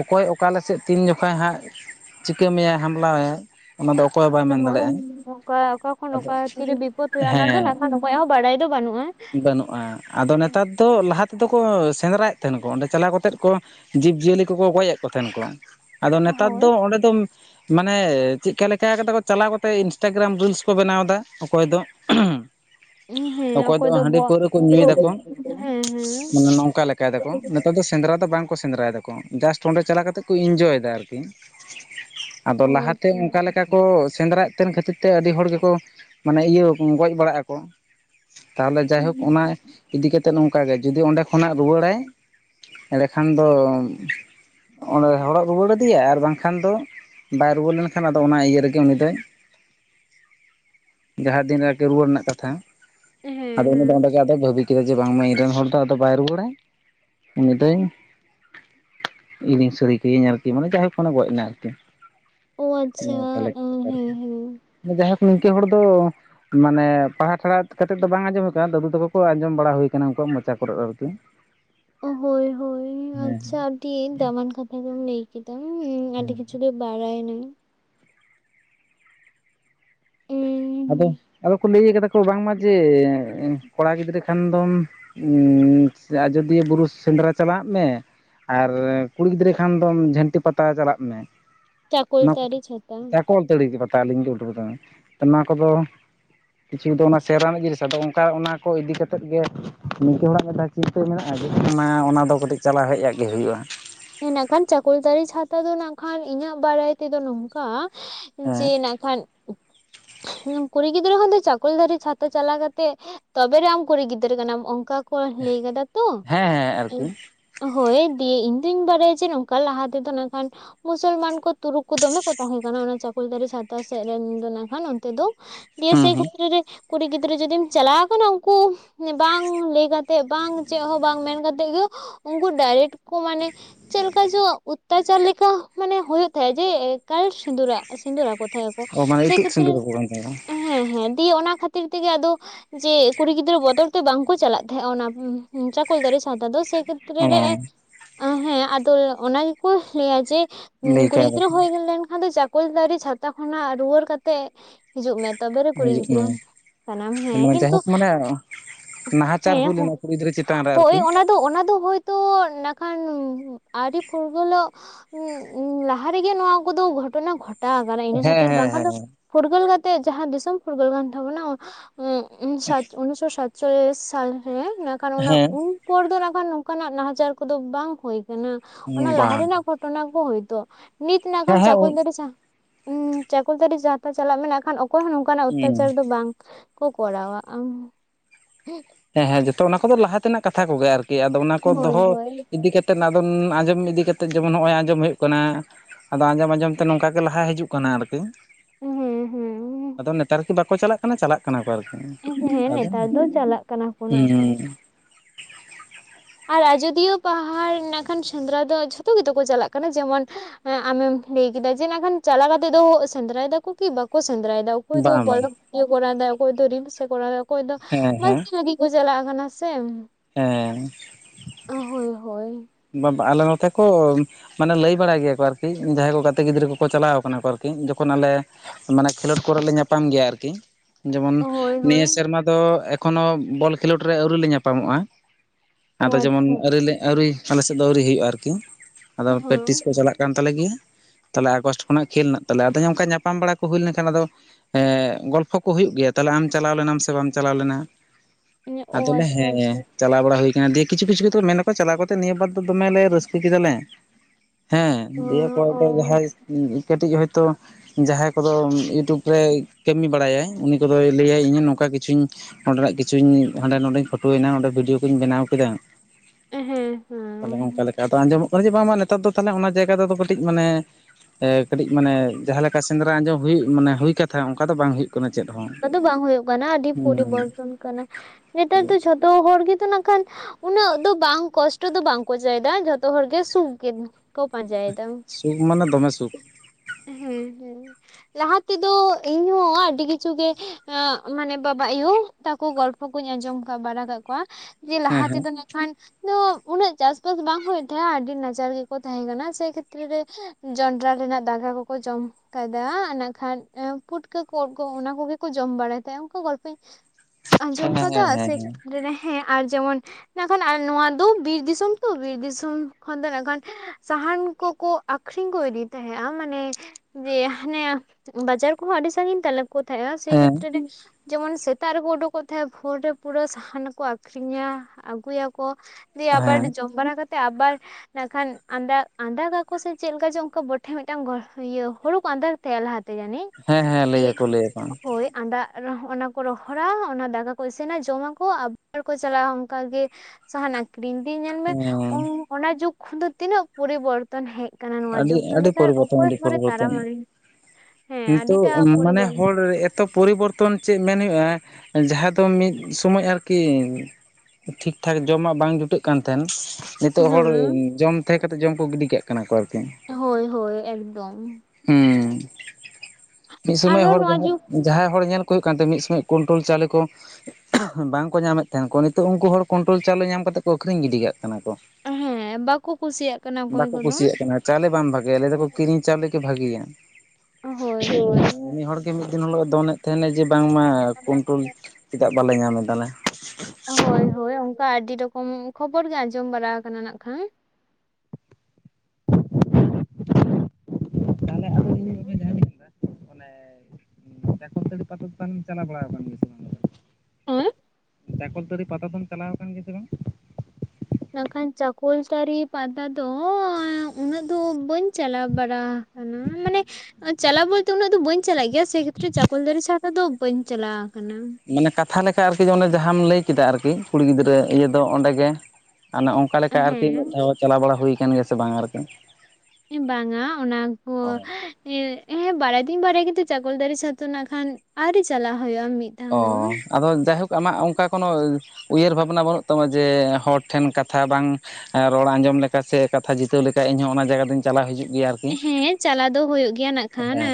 ᱚᱠᱚᱭ ᱚᱠᱟᱞ ᱥᱮᱫ ᱛᱤᱱ ᱡᱚᱠᱷᱚᱱ ᱦᱟᱸᱜ ᱪᱤᱠᱟᱹ ᱢᱮᱭᱟ ᱦᱟᱢᱞᱟ ᱢᱮᱭᱟ ᱚᱱᱟ ᱫᱚ ᱚᱠᱚᱭ ᱦᱚ ᱵᱟᱼᱼ
ᱦᱳᱭ ᱱᱚᱱᱠᱟ ᱚᱠᱟ ᱠᱷᱚᱱ ᱚᱠᱟ ᱛᱤᱨᱮ ᱵᱤᱯᱚᱫ ᱦᱩᱭᱩᱜᱼᱟ ᱚᱱᱟ ᱫᱚ
ᱦᱮᱸ
ᱱᱟᱜ ᱠᱷᱟᱱ ᱚᱠᱚᱭᱟᱜ ᱦᱚᱸ ᱵᱟᱲᱟᱭ ᱫᱚ ᱵᱟᱹᱱᱩᱜᱼᱟ ᱾
ᱵᱟᱹᱱᱩᱜᱼᱟ ᱟᱫᱚ ᱱᱮᱛᱟᱨ ᱫᱚ ᱞᱟᱦᱟ ᱛᱮᱫᱚ ᱠᱚ ᱥᱮᱸᱫᱽᱨᱟᱭᱮᱫ ᱛᱟᱦᱮᱱ ᱠᱚ ᱚᱸᱰᱮ ᱪᱟᱞᱟᱣ ᱠᱟᱛᱮᱫ ᱠᱚ ᱼᱼ ᱡᱤᱵᱽᱼᱡᱤᱭᱟᱹᱞᱤ ᱠᱚᱠᱚ ᱜᱚᱡᱮᱫ ᱠᱚ ᱛᱟᱦᱮᱱ ᱠᱚ ᱟᱫᱚ ᱱᱮᱛᱟᱨ
ᱦᱳᱭ
ᱫᱚ ᱚᱸᱰᱮ ᱫᱚ ᱼᱼ ᱢᱟᱱᱮ ᱪᱤᱜᱠᱟ ᱞᱮᱠᱟ ᱟᱠᱟᱫᱟᱠᱚ ᱪᱟᱞᱟᱣ ᱠᱟᱛᱮ ᱤᱱᱥᱴᱟᱜᱨᱟᱢ ᱨᱤᱞᱥ ᱠᱚ ᱵᱮᱱᱟᱣ ᱫᱟ ᱚᱠᱚᱭ ᱫᱚ ᱾ ᱚᱠᱚᱭ ᱫᱚ ᱦᱟᱸᱰᱤ ᱯᱟᱹᱣᱨᱟᱹ ᱠᱚ ᱧᱩᱭ ᱫᱟᱠᱚ
ᱦᱮᱸ ᱦᱮᱸ
ᱢᱟᱱᱮ ᱱᱚᱝᱠᱟ ᱞᱮᱠᱟᱭ ᱫᱟᱠᱚ ᱱᱮᱛᱚᱜ ᱫᱚ ᱼᱼ ᱥᱮᱸᱫᱽᱨᱟ ᱫᱚ ᱵᱟᱝ ᱠᱚ ᱥᱮᱸᱫᱽᱨᱟᱭ ᱫᱟᱠᱚ ᱡᱟᱥᱴ ᱚᱸᱰᱮ ᱪᱟᱞᱟᱣ ᱠᱟᱛᱮ ᱠᱚ ᱤᱱᱡᱚᱭᱮᱫᱟ ᱟᱨᱠᱤ ᱾ ᱟᱫᱚ
ᱚ
ᱞᱟᱦᱟᱛᱮ
ᱟᱪᱪᱷᱟ
ᱚᱱᱠᱟ ᱞᱮᱠᱟ ᱠᱚ ᱥᱮᱸᱫᱽᱨᱟᱭ ᱼᱼ ᱛᱮᱱ ᱠᱷᱟᱹᱛᱤᱨ ᱛᱮ ᱟᱹᱰᱤ ᱦᱚᱲ ᱜᱮᱠᱚ ᱢᱟᱱᱮ ᱤᱭᱟᱹ ᱜᱚᱡ ᱵᱟᱲᱟ ᱟᱠᱚ ᱾ ᱛᱟᱞᱦᱮ
ᱦᱮᱸ
ᱡᱟᱭᱦᱳᱠ ᱚᱱᱟ ᱤᱫᱤ ᱠᱟᱛᱮᱜ ᱱᱚᱝᱠᱟ ᱜᱮ ᱡᱩᱫᱤ ᱚᱸᱰᱮ ᱠᱷᱚᱱᱟᱜ ᱨᱩᱣᱟᱹᱲᱟᱭ ᱼᱼ ᱮᱲᱮ ᱠᱷᱟᱱ ᱫᱚ ᱼᱼ [unintelligible] ᱦᱚᱲᱚᱜ ᱨᱩᱣᱟᱹᱲ ᱟᱫᱤᱭᱟ ᱟᱨ ᱵᱟᱝᱠᱷᱟᱱ ᱫᱚ ᱵᱟᱭ ᱨᱩᱣᱟᱹᱲ ᱞᱮᱱᱠᱷᱟᱱ ᱟᱫᱚ ᱚᱱᱟ ᱤᱭᱟᱹ ᱨᱮᱜᱮ ᱩᱱᱤ ᱫᱚᱭ ᱼᱼ
[inaudible]
ᱡᱟᱦᱟᱸ ᱫᱤᱱ ᱨᱮᱠᱤ ᱨᱩᱣᱟᱹᱲ ᱨᱮᱱᱟᱜ ᱠᱟᱛᱷᱟ ᱟᱫᱚ ᱩᱱᱤ ᱫᱚ ᱚᱸᱰᱮ
ᱦᱮᱸ
ᱜᱮ ᱟᱫᱚ [unintelligible] [unintelligible] ᱵᱟᱝᱢᱟ ᱤᱧᱨᱮᱱ ᱦᱚᱲ ᱫᱚ ᱟᱫᱚ ᱨᱩᱣᱟᱹᱲᱟ ᱩᱱᱤ ᱫᱚᱭ ᱼᱼ ᱤᱧᱤᱧ ᱥᱟᱹᱨᱤ ᱠᱟᱹᱭᱟᱧ ᱟᱨᱠᱤ ᱢᱟᱱᱮ ᱡᱟᱦᱟᱸᱭ [unintelligible] ᱜᱚᱡ ᱱᱟ ᱟᱨᱠᱤ ᱾
ᱚ ᱟᱪᱪᱷᱟ
[unintelligible]
ᱦᱮᱸ ᱦᱮᱸ
ᱡᱟᱭᱦᱳᱠ ᱱᱤᱝᱠᱟᱹ ᱦᱚᱲ ᱫᱚ ᱢᱟᱱᱮ ᱼᱼ ᱯᱟᱲᱦᱟ ᱪᱷᱟᱲᱟ ᱠᱟᱛᱮᱫ ᱫᱚ ᱵᱟᱝ ᱟᱸᱡᱚᱢ ᱟᱠᱟ ᱞᱟᱫᱩ ᱛᱟᱠᱚ ᱠᱚ ᱟᱸᱡᱚᱢ ᱵᱟᱲᱟ ᱦᱩᱭ ᱠᱟᱱᱟ ᱩᱱᱠᱩᱣᱟᱜ ᱢᱚᱪᱟ ᱠᱚᱨᱮ ᱫᱚ ᱟᱨᱠᱤ ᱾
ᱦᱳᱭ ᱦᱳᱭ ᱟᱪᱪᱷᱟ ᱟᱹᱰᱤ ᱫᱟᱢᱟᱱ ᱠᱟᱛᱷᱟ ᱜᱮᱢ ᱞᱟᱹᱭ ᱠᱮᱫᱟ ᱟᱹᱰᱤ ᱠᱤᱪᱷᱩ ᱼᱼ ᱡᱩᱫᱤ ᱵᱟᱲᱟᱭᱱᱟ ᱾
ᱟᱫᱚ ᱟᱫᱚ ᱠᱚ ᱞᱟᱹᱭ ᱠᱟᱫᱟ ᱠᱚ ᱵᱟᱝᱢᱟ ᱡᱮ ᱠᱚᱲᱟ ᱜᱤᱫᱽᱨᱟᱹ ᱠᱷᱟᱱ ᱫᱚᱢ ᱼᱼ ᱩᱸᱻ ᱟᱡᱚᱫᱤᱭᱟᱹ ᱵᱩᱨᱩ ᱥᱮᱸᱫᱽᱨᱟ ᱪᱟᱞᱟᱜ ᱢᱮ ᱾ ᱟᱨ ᱠᱩᱲᱤ ᱜᱤᱫᱽᱨᱟᱹ ᱠᱷᱟᱱ ᱫᱚᱢ ᱡᱷᱟᱹᱱᱴᱤ ᱯᱟᱛᱟ ᱪᱟᱞᱟᱜ ᱢᱮ ᱾ ᱱᱚᱣᱟ ᱠᱚ
ᱪᱟᱠᱚᱞᱛᱟᱹᱨᱤ ᱪᱷᱟᱛᱟ
ᱪᱟᱠᱚᱞᱛᱟᱹᱲᱤ ᱯᱟᱛᱟ ᱟᱹᱞᱤᱧ ᱜᱮ ᱩᱞᱴᱩ [unintelligible] ᱱᱚᱣᱟ ᱠᱚᱫᱚ ᱼᱼ ᱠᱤᱪᱤᱛᱚ ᱚᱱᱟ ᱥᱮᱨᱟᱢ ᱜᱤ ᱟᱫᱚ ᱚᱱᱠᱟ ᱚᱱᱟ ᱠᱚ ᱤᱫᱤ ᱠᱟᱛᱮᱫ ᱜᱮ ᱱᱤᱝᱠᱟᱹ ᱦᱚᱲᱟᱜ ᱼᱼ ᱪᱤᱱᱛᱟᱹ ᱢᱮᱱᱟᱜᱼᱟ ᱡᱮ ᱚᱱᱟ ᱚᱱᱟ ᱫᱚ ᱠᱟᱹᱴᱤᱡ ᱪᱟᱞᱟᱜ ᱦᱮᱡ ᱜᱮ ᱦᱩᱭᱩᱜᱼᱟ ᱾
ᱢᱮᱱᱟᱜ ᱠᱷᱟᱱ ᱪᱟᱠᱚᱞᱛᱟᱹᱨᱤ ᱪᱷᱟᱛᱟ ᱫᱚ ᱱᱟᱜᱠᱷᱟᱱ ᱤᱧᱟᱹᱜ ᱵᱟᱲᱟᱭ ᱛᱮᱫᱚ ᱱᱚᱝᱠᱟ ᱼᱼ ᱡᱮ
ᱦᱮᱸ ᱦᱮᱸ
ᱱᱟᱜᱠᱷᱟᱱ ᱼᱼ ᱠᱩᱲᱤ ᱜᱤᱫᱽᱨᱟᱹ ᱠᱷᱟᱱ ᱫᱚ ᱪᱟᱠᱚᱞᱛᱟᱹᱨᱤ ᱪᱷᱟᱛᱟ ᱪᱟᱞᱟ ᱠᱟᱛᱮᱜ ᱛᱚᱵᱮ ᱨᱮ ᱟᱢ ᱠᱩᱲᱤ ᱜᱤᱫᱽᱨᱟᱹ ᱠᱟᱱᱟᱢ ᱚᱝᱠᱟ ᱼᱼ ᱠᱚ ᱞᱟᱹᱭ ᱠᱟᱫᱟ ᱛᱚ
ᱦᱮᱸ ᱟᱨᱠᱤ
ᱦᱳᱭ ᱫᱤᱭᱮ ᱤᱧ ᱼᱼ ᱤᱧ ᱵᱟᱰᱟᱭᱟ ᱡᱮ ᱱᱚᱝᱠᱟ ᱞᱟᱦᱟ ᱛᱮᱫᱚ ᱠᱷᱟᱱ ᱼᱼ ᱢᱩᱥᱚᱞᱢᱟᱱ ᱠᱚ ᱛᱩᱨᱩᱠ ᱠᱚ ᱫᱚᱢᱮ ᱠᱚ ᱛᱟᱦᱮᱸ ᱠᱟᱱᱟ ᱚᱱᱟ ᱪᱟᱠᱩᱞᱛᱟᱹᱨᱤ ᱪᱷᱟᱛᱟ ᱥᱮᱜ ᱨᱮᱱᱠᱷᱟᱱ ᱚᱱᱛᱮ ᱫᱚ ᱼᱼ ᱫᱤᱭᱮ
ᱦᱩᱸ
ᱥᱮᱭ
ᱦᱩᱸ
ᱠᱷᱮᱛᱨᱮ ᱨᱮ ᱠᱩᱲᱤ ᱜᱤᱫᱽᱨᱟᱹ ᱡᱩᱫᱤᱢ ᱪᱟᱞᱟᱣ ᱠᱟᱱᱟ ᱩᱱᱠᱩ ᱼᱼ ᱵᱟᱝ ᱞᱟᱹᱭ ᱠᱟᱛᱮᱜ ᱵᱟᱝ ᱪᱮᱫ ᱦᱚᱸ ᱵᱟᱝ ᱢᱮᱱ ᱠᱟᱛᱮᱜ ᱜᱮ ᱩᱱᱠᱩ ᱰᱟᱭᱨᱮᱴ ᱠᱩ ᱢᱟᱱᱮ ᱼᱼ ᱪᱮᱜ ᱞᱮᱠᱟ ᱪᱚ ᱚᱛᱛᱟᱪᱟᱨ ᱞᱮᱠᱟ ᱢᱟᱱᱮ ᱦᱩᱭᱩᱜ ᱛᱟᱦᱮ ᱡᱮ ᱮᱠᱟᱞ ᱥᱤᱸᱫᱩᱨᱟᱜ ᱥᱤᱸᱫᱩᱨ ᱟᱠᱚ ᱾ ᱛᱟᱦᱮ ᱠᱚ
ᱚ ᱢᱟᱱᱮ
ᱥᱮ
ᱤᱛᱩᱫ
ᱠᱷᱮᱛᱨᱮ
ᱥᱤᱸᱫᱩᱨ ᱟᱠᱚ ᱠᱟᱱ ᱛᱟᱦᱮᱸᱱᱟ
ᱦᱮᱸ ᱦᱮᱸ ᱫᱤᱭᱮ ᱚᱱᱟ ᱠᱷᱟᱹᱛᱤᱨ ᱛᱮᱜᱮ ᱟᱫᱚ ᱼᱼ ᱡᱮ ᱠᱩᱲᱤ ᱜᱤᱫᱽᱨᱟᱹ ᱵᱚᱛᱚᱨ ᱛᱮ ᱵᱟᱝᱠᱚ ᱪᱟᱞᱟᱜ ᱛᱟᱦᱮᱸᱫᱼᱟ, ᱚᱱᱟ ᱪᱟᱠᱚᱞ ᱫᱟᱨᱮ ᱥᱟᱶᱛᱟ ᱫᱚ ᱥᱮ ᱾ ᱠᱷᱮᱛᱨᱮ
ᱚ
ᱨᱮ ᱾ ᱦᱮᱸ, ᱟᱫᱚ ᱚᱱᱟ ᱜᱮᱠᱚ ᱞᱟᱹᱭᱟ ᱡᱮ
ᱞᱟᱹᱭ
ᱠᱩᱲᱤ
ᱠᱟᱣ
ᱜᱤᱫᱽᱨᱟᱹ
ᱫᱟᱠᱚ
ᱦᱩᱭ ᱞᱮᱱᱠᱷᱟᱱ ᱫᱚ ᱪᱟᱠᱚᱞ ᱫᱟᱨᱮ ᱪᱷᱟᱛᱟ ᱠᱷᱚᱱᱟᱜ ᱨᱩᱣᱟᱹᱲ ᱠᱟᱛᱮᱜ ᱦᱤᱡᱩᱜ ᱢᱮ ᱾ ᱛᱚᱵᱮᱨᱮ ᱠᱩᱲᱤ
ᱦᱤᱡᱩᱜ
ᱜᱤᱫᱽᱨᱟᱹ
ᱢᱮ
ᱠᱟᱱᱟᱢ ᱦᱮᱸ,
ᱢᱟᱱᱮ
ᱠᱤᱱᱛᱩ
ᱡᱟᱭᱦᱳᱠ ᱢᱟᱱᱮ ᱱᱟᱦᱟᱪᱟᱨ
ᱦᱮᱸ,
ᱦᱩᱭ ᱞᱮᱱᱟ ᱠᱩᱲᱤ ᱜᱤᱫᱽᱨᱟᱹ ᱪᱮᱛᱟᱱ ᱨᱮ
ᱦᱳᱭ
ᱟᱨᱠᱤ
ᱚᱱᱟ ᱫᱚ ᱚᱱᱟ ᱫᱚ ᱦᱳᱭᱛᱳ ᱠᱷᱟᱱ ᱟᱹᱣᱤᱨᱤ ᱯᱷᱩᱨᱜᱟᱹᱞᱚᱜ ᱞᱟᱦᱟ ᱨᱮᱜᱮ ᱱᱚᱣᱟ ᱠᱚᱫᱚ ᱜᱷᱚᱴᱚᱱᱟ ᱜᱷᱚᱴ ᱴᱟᱜ ᱤᱱᱟᱹ
ᱦᱮᱸ
ᱠᱷᱟᱹᱛᱤᱨ ᱵᱟᱝᱠᱷᱟᱱ ᱫᱚ
ᱦᱮᱸ
ᱯᱷᱩᱨᱜᱟᱹᱞ ᱠᱟᱛᱮ ᱡᱟᱦᱟᱸ ᱫᱤᱥᱚᱢ ᱯᱷᱩᱨᱜᱟᱹᱞ ᱠᱟᱱ ᱛᱟᱵᱚᱱᱟ ᱥᱟᱛ ᱩᱱᱤᱥᱥᱚ ᱥᱟᱛ ᱪᱚᱞᱤᱥ ᱥᱟᱞ ᱨᱮᱠᱷᱟᱱ ᱚᱱᱟ
ᱦᱮᱸ
ᱩᱱ ᱯᱚᱨ ᱫᱚ ᱱᱟᱜᱠᱷᱟᱱ ᱱᱚᱝᱠᱟᱱᱟᱜ ᱱᱟᱦᱟᱪᱟᱨ ᱠᱚᱫᱚ ᱵᱟᱝ ᱦᱩᱭ ᱠᱟᱱᱟ ᱾
ᱦᱮᱸ
ᱚᱱᱟ ᱞᱟᱦᱟ
ᱵᱟᱝ
ᱨᱮᱱᱟᱜ ᱜᱷᱚᱴᱚᱱᱟ ᱠᱚ ᱦᱚᱭᱛᱳ ᱾ ᱱᱤᱛ ᱢᱮᱱᱟᱜ
ᱦᱮᱸ
ᱠᱷᱟᱱ
ᱦᱮᱸ
ᱪᱟᱠᱚᱞ
ᱦᱩᱸ
ᱫᱟᱨᱮ ᱪᱟᱠᱚᱞ ᱫᱟᱨᱮ ᱡᱟᱦᱟᱸ ᱪᱟᱞᱟᱜ ᱢᱮᱱᱟᱜ ᱠᱷᱟᱱ ᱚᱠᱚᱭ ᱦᱚᱸ ᱱᱚ ᱚᱱᱠᱟᱱᱟᱜ ᱚᱛᱛᱟᱪᱟᱨ ᱫᱚ ᱵᱟᱝ ᱠᱚ ᱠᱚᱨᱟᱣᱟ ᱾
ᱦᱮᱸ ᱦᱮᱸ, ᱡᱚᱛᱚ ᱚᱱᱟ ᱠᱚᱫᱚ ᱞᱟᱦᱟ ᱛᱮᱱᱟᱜ ᱠᱟᱛᱷᱟ ᱠᱚᱜᱮ ᱟᱨᱠᱤ ᱟᱫᱚ ᱚᱱᱟ ᱠᱚ ᱫᱚᱦᱚ
ᱦ [unintelligible]
ᱤᱫᱤ ᱠᱟᱛᱮ ᱟᱫᱚ ᱟᱸᱡᱚᱢ ᱤᱫᱤ ᱠᱟᱛᱮ ᱡᱮᱢᱚᱱ ᱱᱚᱜᱼᱚᱭ ᱟᱸᱡᱚᱢ ᱦᱩᱭᱩᱜ ᱠᱟᱱᱟ ᱾ ᱟᱫᱚ ᱟᱸᱡᱚᱢ ᱟᱸᱡᱚᱢ ᱛᱮ ᱱᱚᱝᱠᱟ ᱜᱮ ᱞᱟᱦᱟ ᱦᱤᱡᱩᱜ ᱠᱟᱱᱟ ᱟᱨᱠᱤ
ᱦᱮᱸ ᱦᱮᱸ
᱾ ᱟᱫᱚ ᱱᱮᱛᱟᱨ ᱠᱤ ᱵᱟᱠᱚ ᱪᱟᱞᱟᱜ ᱠᱟᱱᱟ ᱪᱟᱞᱟᱜ ᱠᱟᱱᱟ ᱠᱚ ᱟᱨᱠᱤ᱾
ᱦᱮᱸ
ᱟᱫᱚ
ᱱᱮᱛᱟᱨ ᱫᱚ ᱪᱟᱞᱟᱜ ᱠᱟᱱᱟ ᱠᱚ ᱱᱟᱜ
ᱦᱩᱸ
ᱠᱷᱟᱱ
ᱦᱩᱸ ᱾
ᱟᱨ ᱟᱡᱚᱫᱤᱭᱟᱹ ᱯᱟᱦᱟᱲ ᱢᱮᱱ ᱱᱟᱜ ᱠᱷᱟᱱ ᱥᱮᱸᱫᱽᱨᱟ ᱫᱚ ᱡᱷᱚᱛᱚ ᱜᱮᱛᱚ ᱠᱚ ᱪᱟᱞᱟᱜ ᱠᱟᱱᱟ ᱾ ᱡᱮᱢᱚᱱ ᱟᱢᱮᱢ ᱞᱟᱹᱭ ᱠᱮᱫᱟ ᱡᱮ ᱠᱷᱟᱱ ᱪᱟᱞᱟᱣ ᱠᱟᱛᱮ ᱫᱚ ᱥᱮᱸᱫᱽᱨᱟᱭ ᱫᱟᱠᱚ ᱠᱤ ᱵᱟᱠᱚ ᱥᱮᱸᱫᱽᱨᱟᱭ ᱫᱟ ᱾ ᱚᱠᱚᱭ ᱫᱚ
ᱵᱟᱝ ᱵᱟᱝ
ᱵᱚᱞᱚᱠ ᱜᱮ ᱠᱚᱨᱟᱣ ᱮᱫᱟ, ᱚᱠᱚᱭ ᱫᱚ ᱨᱤᱢᱥ ᱮ ᱠᱚᱨᱟᱣ ᱮᱫᱟ, ᱚᱠᱚᱭ ᱫᱚ
ᱦᱮᱸ ᱦᱮᱸ
ᱢᱚᱥᱛᱤ ᱞᱟᱹᱜᱤᱫ ᱠᱚ ᱪᱟᱞᱟᱜ ᱠᱟᱱᱟ ᱥᱮ ᱾
ᱦᱮᱸ ᱾
ᱦᱳᱭ ᱦᱳᱭ ᱾
ᱵᱟ ᱟᱞᱮ ᱱᱚᱛᱮ ᱠᱚ ᱢᱟᱱᱮ ᱞᱟᱹᱭ ᱵᱟᱲᱟᱭ ᱜᱮᱭᱟ ᱠᱚ ᱟᱨᱠᱤ, ᱡᱟᱦᱟᱸᱭ ᱠᱚ ᱜᱟᱛᱮ ᱜᱤᱫᱽᱨᱟᱹ ᱠᱚᱠᱚ ᱪᱟᱞᱟᱣ ᱠᱟᱱᱟ ᱠᱚ ᱟᱨᱠᱤ, ᱡᱚᱠᱷᱚᱱ ᱟᱞᱮ ᱢᱟᱱᱮ ᱠᱷᱮᱞᱳᱰ ᱠᱚᱨᱮᱞ ᱞᱮ ᱧᱟᱯᱟᱢ ᱜᱮᱭᱟ ᱟᱨᱠᱤ, ᱡᱮᱢᱚᱱ
ᱦᱳᱭ ᱦᱳᱭ
ᱱᱤᱭᱟᱹ ᱥᱮᱨᱢᱟ ᱫᱚ ᱮᱠᱷᱚᱱᱳ ᱵᱚᱞ ᱠᱷᱮᱞᱳᱰ ᱨᱮ ᱟᱹᱣᱨᱤ ᱞᱮ ᱧᱟᱯᱟᱢᱚᱜᱼᱟ᱾
ᱚ
ᱟᱫᱚ ᱡᱮᱢᱚᱱ
ᱟᱪᱪᱷᱟ
ᱟᱹᱣᱨᱤ ᱞᱮ ᱟᱹᱣᱨᱤ ᱟᱞᱮ ᱥᱮᱫ ᱫᱚ ᱟᱹᱣᱨᱤ ᱦᱩᱭᱩᱜᱼᱟ ᱟᱨᱠᱤ, ᱟᱫᱚ ᱯᱨᱮᱠᱴᱤᱥ ᱠᱚ
ᱦᱮᱸ
ᱪᱟᱞᱟᱜ ᱠᱟᱱ ᱛᱟᱞᱮ ᱜᱮᱭᱟ, ᱛᱟᱦᱚᱞᱮ ᱟᱜᱚᱥᱴ ᱠᱷᱚᱱᱟᱜ ᱠᱷᱮᱞ ᱢᱮᱱᱟᱜ ᱛᱟᱞᱮᱭᱟ, ᱟᱫᱚ ᱱᱚᱝᱠᱟ ᱧᱟᱯᱟᱢ ᱵᱟᱲᱟ ᱠᱚ ᱦᱩᱭ ᱞᱮᱱᱠᱷᱟᱱ ᱟᱫᱚ ᱜᱚᱞᱯᱷᱚ ᱠᱚ ᱦᱩᱭᱩᱜ ᱜᱮᱭᱟ, ᱛᱟᱦᱚᱞᱮ ᱟᱢ ᱪᱟᱞᱟᱣ ᱞᱮᱱᱟᱢ ᱥᱮ ᱵᱟᱢ ᱪᱟᱞᱟᱣ ᱞᱮᱱᱟ ᱾
ᱚ
ᱟᱫᱚᱞᱮ
ᱟᱪᱪᱷᱟ
ᱦᱮᱸ
ᱟᱪᱪᱷᱟ
ᱪᱟᱞᱟᱣ ᱵᱟᱲᱟ ᱦᱩᱭ ᱟᱠᱟᱱᱟ ᱠᱟᱱᱟ, ᱫᱤᱭᱮ ᱠᱤᱪᱷᱩ ᱠᱤᱪᱷᱩ ᱢᱮᱱ ᱟᱠᱚ ᱪᱟᱞᱟᱣ ᱠᱟᱛᱮ ᱱᱤᱭᱟᱹ ᱵᱟᱨ ᱫᱚ ᱫᱚᱢᱮ ᱞᱮ ᱨᱟᱹᱥᱠᱟᱹ ᱠᱮᱫᱟᱞᱮ ᱾ ᱦᱮᱸ
ᱚ
ᱫᱤᱭᱟᱹ ᱠᱚᱭ
ᱚ
ᱫᱚ ᱡᱟᱦᱟᱸᱭ ᱠᱟᱹᱴᱤᱡ ᱦᱚᱭᱛᱳ, ᱡᱟᱦᱟᱸᱭ ᱠᱚᱫᱚ ᱤᱭᱩᱴᱩᱵᱽ ᱨᱮ ᱠᱟᱹᱢᱤ ᱵᱟᱲᱟᱭᱟᱭ, ᱩᱱᱤ ᱠᱚᱫᱚᱭ ᱞᱟᱹᱭᱟᱭ ᱤᱧᱮ ᱱᱚᱝᱠᱟ ᱠᱤᱪᱷᱩᱧ ᱱᱚᱸᱰᱮᱱᱟᱜ ᱠᱤᱪᱷᱩᱧ ᱦᱟᱸᱰᱮ ᱱᱚᱰᱮᱧ ᱯᱷᱳᱴᱳᱭᱱᱟ, ᱱᱚᱰᱮ ᱵᱷᱤᱰᱭᱳ ᱠᱚᱧ ᱵᱮᱱᱟᱣ ᱠᱮᱫᱟ ᱾
ᱦᱮᱸ ᱦᱮᱸ ᱾
ᱛᱟᱦᱚᱞᱮ ᱚᱱᱠᱟ ᱞᱮᱠᱟ ᱟᱫᱚ ᱟᱸᱡᱚᱢᱚᱜ ᱠᱟᱱᱟ ᱡᱮ, ᱵᱟᱝᱢᱟ ᱱᱮᱛᱟᱨ ᱫᱚ ᱛᱟᱦᱚᱞᱮ ᱚᱱᱟ ᱡᱟᱭᱜᱟ ᱨᱮᱫᱚ ᱠᱟᱹᱴᱤᱡ ᱢᱟᱱᱮ ᱮ ᱠᱟᱹᱴᱤᱡ ᱢᱟᱱᱮ ᱡᱟᱦᱟᱸ ᱞᱮᱠᱟ ᱥᱮᱸᱫᱽᱨᱟ ᱟᱸᱡᱚᱢ ᱦᱩᱭᱩᱜ ᱢᱟᱱᱮ ᱦᱩᱭ ᱠᱟᱛᱷᱟ ᱚᱱᱠᱟ ᱫᱚ ᱵᱟᱝ ᱦᱩᱭᱩᱜ ᱠᱟᱱᱟ ᱪᱮᱫ ᱦᱚᱸ᱾
ᱚᱱᱠᱟ ᱫᱚ ᱵᱟᱝ ᱦᱩᱭᱩᱜ ᱠᱟᱱᱟ, ᱟᱹᱰᱤ
ᱦᱩᱸ
ᱯᱚᱨᱤᱵᱚᱨᱛᱚᱱ ᱠᱟᱱᱟ ᱱᱮᱛᱟᱨ ᱫᱚ ᱡᱷᱚᱛᱚ ᱦᱚᱲ ᱜᱮᱛᱚ ᱠᱷᱟᱱ ᱩᱱᱟᱹᱜ ᱫᱚ ᱵᱟᱝ ᱠᱚᱥᱴᱚ ᱫᱚ ᱵᱟᱝ ᱠᱚ ᱪᱚᱭᱮᱫᱟ, ᱡᱷᱚᱛᱚ ᱦᱚᱲ ᱜᱮ ᱥᱩᱠ ᱜᱮᱠᱚ ᱯᱟᱸᱡᱟᱭᱮᱫᱟ ᱾
ᱥᱩᱠ ᱢᱟᱱᱮ ᱫᱚᱢᱮ ᱥᱩᱠ ᱾
ᱦᱩᱸ ᱦᱩᱸ, ᱞᱟᱦᱟ ᱛᱮᱫᱚ ᱤᱧᱦᱚ ᱟᱹᱰᱤ ᱠᱤᱪᱷᱩ ᱜᱮ ᱮᱜ ᱢᱟᱱᱮ ᱵᱟᱵᱟ ᱟᱭᱳ ᱛᱟᱠᱚ ᱜᱚᱞᱯᱷᱚ ᱠᱚᱧ ᱟᱸᱡᱚᱢ ᱵᱟᱲᱟ ᱠᱟᱜ ᱠᱚᱣᱟ, ᱡᱮ
ᱦᱮᱸ
ᱞᱟᱦᱟ ᱛᱮᱫᱚ ᱱᱟᱜᱠᱷᱟᱱ ᱪᱟᱥ ᱵᱟᱥ ᱵᱟᱝ ᱦᱩᱭᱩᱜ ᱛᱟᱦᱮᱸᱼᱟ, ᱟᱹᱰᱤ ᱱᱟᱪᱟᱨ ᱜᱮᱠᱚ ᱛᱟᱦᱮᱸ ᱠᱟᱱᱟ, ᱥᱮ ᱠᱷᱮᱛᱨᱮ ᱨᱮ ᱡᱚᱸᱰᱨᱟ ᱨᱮᱱᱟᱜ ᱫᱟᱠᱟ ᱠᱚ ᱠᱚ ᱡᱚᱢ ᱠᱟᱫᱟ ᱾ ᱚᱱᱟ ᱠᱷᱟᱱ ᱯᱩᱴᱠᱟᱹ ᱠᱚ, ᱚᱱᱟ ᱠᱚᱜᱮ ᱠᱚ ᱡᱚᱢ ᱵᱟᱲᱟᱭ ᱛᱟᱦᱮᱸᱱ ᱩᱱᱠᱩ ᱜᱚᱞᱯᱚᱧ ᱟᱸᱡᱚᱢ
ᱦᱮᱸ
ᱟᱠᱟᱫᱟ
ᱦᱮᱸ
ᱥᱮ
ᱦᱮᱸ
ᱦᱮᱸ ᱟᱨ ᱡᱮᱢᱚᱱᱠᱷᱟᱱ ᱱᱚᱣᱟ ᱫᱚ ᱵᱤᱨ ᱫᱤᱥᱚᱢ ᱛᱚ ᱵᱤᱨ ᱫᱤᱥᱚᱢ ᱠᱷᱚᱱ ᱫᱚ ᱱᱟᱠᱷᱟᱱ ᱥᱟᱦᱟᱱ ᱠᱚᱠᱚ ᱟᱠᱷᱨᱤᱧ ᱠᱚ ᱤᱫᱤ ᱛᱟᱦᱮᱸᱜᱼᱟ, ᱢᱟᱱᱮ ᱡᱮ ᱦᱟᱱᱮ ᱵᱟᱡᱟᱨ ᱠᱚᱦᱚᱸ ᱟᱹᱰᱤ ᱥᱟᱺᱜᱤᱧ ᱛᱟᱞᱮ ᱠᱚ ᱛᱟᱦᱮᱸᱜᱼᱟ, ᱥᱮ
ᱦᱮᱸ ᱦᱮᱸ
ᱠᱷᱮᱛᱨᱮ ᱨᱮ ᱡᱮᱢᱚᱱ ᱥᱮᱛᱟᱜ ᱨᱮᱠᱚ ᱩᱰᱩᱠᱚᱜ ᱛᱟᱦᱮᱸᱫ, ᱵᱷᱳᱨ ᱨᱮ ᱯᱩᱨᱟᱹ ᱥᱟᱦᱟᱱ ᱠᱚ ᱟᱹᱠᱷᱨᱤᱧᱟ ᱟᱹᱜᱩᱭᱟᱠᱚ, ᱫᱤᱭᱮ ᱟᱵᱟᱨ
ᱦᱮᱸ ᱦᱮᱸ
ᱡᱚᱢ ᱵᱟᱲᱟ ᱠᱟᱛᱮ ᱟᱵᱟᱨ ᱢᱮᱱᱠᱷᱟᱱ ᱟᱸᱫᱟ ᱟᱸᱫᱟ ᱟᱠᱚ ᱥᱮ ᱪᱮᱫ ᱞᱮᱠᱟ ᱪᱚ ᱚᱱᱠᱟ ᱵᱚᱴᱷᱮ ᱢᱤᱫᱴᱟᱝ ᱜᱚᱲ ᱤᱭᱟᱹ ᱦᱩᱲᱩ ᱠᱚ ᱟᱫᱟ ᱛᱟᱭᱟ ᱞᱟᱦᱟᱛᱮ᱾ ᱡᱟᱹᱱᱤᱡ
ᱦᱮᱸ ᱦᱮᱸ ᱞᱟᱹᱭᱟᱠᱚ ᱞᱟᱹᱭ ᱟᱠᱚ᱾
ᱦᱳᱭ ᱟᱫᱟ ᱚᱱᱟ ᱠᱚ ᱨᱚᱦᱚᱲᱟ ᱚᱱᱟ ᱫᱟᱠᱟ ᱠᱚ ᱤᱥᱤᱱᱟ ᱡᱚᱢᱟᱠᱚ ᱟᱵᱟᱨ ᱠᱚ ᱪᱟᱞᱟᱜᱼᱟ ᱚᱱᱠᱟᱜ ᱜᱮ᱾ ᱥᱟᱦᱟᱱ ᱟᱹᱠᱷᱨᱤᱧ ᱛᱮᱦᱮᱧ ᱧᱮᱞ ᱢᱮ
ᱦᱮᱸ
ᱚᱱᱟ ᱡᱩᱜᱽ ᱠᱷᱚᱱ ᱫᱚ ᱛᱤᱱᱟᱹᱜ ᱯᱚᱨᱤᱵᱚᱨᱛᱚᱱ ᱦᱮᱡ ᱟᱠᱟᱱᱟ ᱱᱚᱣᱟ
ᱟᱹᱰᱤ
ᱡᱩᱜᱽ ᱫᱚ
ᱟᱹᱰᱤ
ᱱᱮᱛᱟᱨ ᱚᱠᱚᱭ ᱦᱚᱲ ᱮ ᱛᱟᱲᱟᱢᱟᱭ᱾ ᱦᱮᱸ
ᱱᱤᱛᱳᱜ
ᱟᱹᱰᱤᱴᱟ
ᱢᱟᱱᱮ
ᱯᱚᱨᱤᱵᱚᱨ
ᱦᱚᱲ ᱮᱛᱚ ᱯᱚᱨᱤᱵᱚᱨᱛᱚᱱ ᱪᱮᱫ ᱢᱮᱱ ᱦᱩᱭᱩᱜᱼᱟ ᱡᱟᱦᱟᱸ ᱫᱚ ᱢᱤᱫ ᱥᱚᱢᱚᱭ ᱟᱨᱠᱤ, ᱴᱷᱤᱠ ᱴᱷᱟᱠ ᱡᱚᱢᱟᱜ ᱵᱟᱝ ᱡᱩᱴᱟᱹᱜ ᱠᱟᱱ ᱛᱟᱦᱮᱸᱱ, ᱱᱤᱛᱚᱜ ᱦᱚᱲ
ᱦᱮᱸ
ᱡᱚᱢ ᱛᱟᱦᱮᱸ ᱠᱟᱛᱮᱜ ᱡᱚᱢ ᱠᱚ ᱜᱤᱰᱤ ᱠᱟᱜ ᱠᱟᱱᱟ ᱠᱚ ᱟᱨᱠᱤ᱾
ᱦᱳᱭ ᱦᱳᱭ ᱮᱠᱫᱚᱢ᱾
ᱦᱮᱸ ᱢᱤᱫ ᱥᱚᱢᱚᱭ
ᱟᱨᱦᱚᱸ
ᱦᱚᱲ
ᱱᱚᱣᱟ
ᱡᱟᱦᱟᱸᱭ
ᱡᱩᱜᱽ
ᱡᱟᱦᱟᱸᱭ ᱦᱚᱲ ᱧᱮᱞ ᱠᱚ ᱦᱩᱭᱩᱜ ᱠᱟᱱ ᱛᱟᱦᱮᱸᱫ ᱢᱤᱫ ᱥᱚᱢᱚᱭ ᱠᱚᱱᱴᱨᱚᱞ ᱪᱟᱣᱞᱮ ᱠᱚ, ᱵᱟᱝᱠᱚ ᱧᱟᱢᱮᱫ ᱛᱟᱦᱮᱸᱱ ᱠᱚ ᱱᱤᱛᱚᱜ ᱩᱱᱠᱩ ᱦᱚᱲ ᱠᱚᱱᱴᱨᱚᱞ ᱪᱟᱣᱞᱮ ᱧᱟᱢ ᱠᱟᱛᱮᱝ ᱠᱚ ᱟᱹᱠᱷᱨᱤᱧ ᱜᱤᱰᱤ ᱠᱟᱜ ᱠᱟᱱᱟ ᱠᱚ᱾
ᱦᱮᱸ ᱵᱟᱠᱚ ᱠᱩᱥᱤᱭᱟᱜ ᱠᱟᱱᱟ ᱚᱠᱚᱭ
ᱵᱟᱠᱚ
ᱠᱚᱫᱚ᱾
ᱠᱩᱥᱤᱭᱟᱜ ᱠᱟᱱᱟ ᱪᱟᱣᱞᱮ ᱵᱟᱝ ᱵᱷᱟᱜᱮᱭᱟ ᱞᱟᱹᱭ ᱮᱫᱟᱠᱚ ᱠᱤᱨᱤᱧ ᱪᱟᱣᱞᱮ ᱜᱮ ᱵᱷᱟᱜᱮᱭᱟ᱾ ᱦᱩᱸ
ᱦᱳᱭ ᱦᱳᱭ
ᱩᱱᱤ ᱦᱚᱲᱜᱮ ᱢᱤᱫ ᱫᱤᱱ ᱦᱤᱞᱚᱜ ᱫᱚᱱᱮᱫ ᱛᱟᱦᱮᱸᱱᱟᱭ ᱡᱮ ᱵᱟᱝᱢᱟ ᱠᱳᱱᱴᱳᱞ ᱪᱮᱫᱟᱜ ᱵᱟᱞᱮ ᱧᱟᱢ ᱮᱫᱟᱞᱮ
ᱦᱳᱭ ᱦᱳᱭ ᱚᱱᱠᱟ ᱟᱹᱰᱤ ᱨᱚᱠᱚᱢ ᱠᱷᱚᱵᱚᱨ ᱜᱮ ᱟᱸᱡᱚᱢ ᱵᱟᱲᱟ ᱟᱠᱟᱱᱟ ᱱᱟᱜ ᱠᱷᱟᱱ
[unintelligible] ᱢᱟᱱᱮ ᱮᱠᱷᱚᱱ ᱛᱟᱹᱲᱤ ᱯᱟᱛᱟ ᱛᱮᱢ ᱪᱟᱞᱟᱣ ᱵᱟᱲᱟ ᱠᱟᱱᱟ ᱜᱮ ᱥᱮ ᱵᱟᱝ
ᱦᱳᱭ
ᱪᱟᱠᱚᱞᱛᱟᱹᱲᱤ ᱯᱟᱛᱟ ᱫᱚᱢ ᱪᱟᱞᱟᱣ ᱟᱠᱟᱱ ᱜᱮᱭᱟ ᱥᱮ ᱵᱟᱝ
ᱢᱮᱱᱠᱷᱟᱱ ᱪᱟᱠᱚᱞ ᱴᱟᱹᱨᱤ ᱯᱟᱛᱟ ᱫᱚ ᱩᱱᱟᱹᱜ ᱫᱚ ᱵᱟᱹᱧ ᱪᱟᱞᱟᱣ ᱵᱟᱲᱟᱜ ᱠᱟᱱᱟ ᱢᱟᱱᱮ ᱪᱟᱞᱟᱣ ᱵᱚᱞᱛᱮ ᱩᱱᱟᱹᱜ ᱫᱚ ᱵᱟᱹᱧ ᱪᱟᱞᱟᱜ ᱜᱮᱭᱟ ᱥᱮ ᱠᱷᱟᱹᱛᱤᱨ ᱪᱟᱠᱚᱞ ᱛᱟᱹᱨᱤ ᱪᱷᱟᱛᱟ ᱫᱚ ᱵᱟᱹᱧ ᱪᱟᱞᱟᱣ ᱟᱠᱟᱱᱟ
ᱢᱟᱱᱮ ᱠᱟᱛᱷᱟ ᱞᱮᱠᱟ ᱟᱨᱠᱤ ᱚᱱᱮ ᱡᱟᱦᱟᱸᱟᱢ ᱞᱟᱹᱭ ᱠᱮᱫᱟ ᱟᱨᱠᱤ ᱠᱩᱲᱤ ᱜᱤᱫᱽᱨᱟᱹ ᱤᱭᱟᱹ ᱫᱚ ᱚᱸᱰᱮ ᱜᱮ ᱚᱱᱮ ᱚᱠᱟ ᱞᱮᱠᱟ ᱟᱨᱠᱤ ᱢᱤᱫ ᱫᱷᱟᱣ ᱪᱟᱞᱟᱣ ᱵᱟᱲᱟ ᱦᱩᱭ ᱟᱠᱟᱱ ᱜᱮᱭᱟ ᱥᱮ ᱵᱟᱝ ᱟᱨᱠᱤ
ᱵᱟᱝᱟ ᱚᱱᱟ ᱠᱚ ᱵᱟᱲᱟᱭ ᱫᱚᱧ ᱵᱟᱲᱟᱭ ᱜᱮᱛᱚ ᱪᱟᱠᱚᱞᱛᱟᱹᱨᱤ [unintelligible] ᱱᱟᱠᱷᱟᱱ ᱟᱹᱣᱨᱤ ᱪᱟᱞᱟᱜ ᱦᱳᱭᱳᱼᱟ ᱢᱤᱫ ᱫᱷᱟᱣ
ᱚ
ᱦᱚᱸ
ᱟᱫᱚ ᱡᱟᱭᱦᱳᱠ ᱟᱢᱟᱜ ᱚᱱᱠᱟ ᱠᱳᱱᱳ ᱩᱭᱦᱟᱹᱨ ᱵᱷᱟᱵᱽᱱᱟ ᱵᱟᱹᱱᱩᱜ ᱛᱟᱢᱟ ᱡᱮ ᱦᱚᱲ ᱴᱷᱮᱱ ᱠᱟᱛᱷᱟ ᱵᱟᱝ ᱨᱚᱲ ᱟᱸᱡᱚᱢ ᱞᱮᱠᱟ ᱥᱮ ᱠᱟᱛᱷᱟ ᱡᱤᱛᱟᱹᱣ ᱞᱮᱠᱟ ᱤᱧᱦᱚᱸ ᱚᱱᱟ ᱡᱟᱭᱜᱟ ᱫᱚᱧ ᱪᱟᱞᱟᱣ ᱦᱤᱡᱩᱜ ᱜᱮᱭᱟ ᱟᱨᱠᱤ
ᱦᱮᱸ ᱪᱟᱞᱟᱣ ᱫᱚ ᱦᱩᱭᱩᱜ ᱜᱮᱭᱟ ᱱᱟᱜ ᱠᱷᱟᱱ
ᱦᱮᱸ